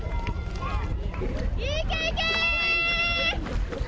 いけいけー！